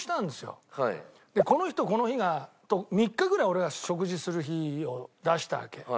この日とこの日がと３日ぐらい俺が食事する日を出したわけ。